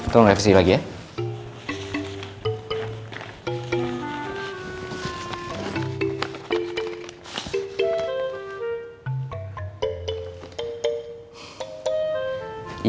tolong revisi lagi ya